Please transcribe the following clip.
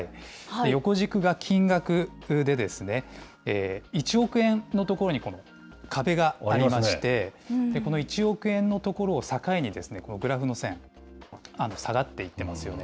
横軸が金額で、１億円のところにこの壁がありまして、この１億円のところを境に、このグラフの線、下がっていってますよね。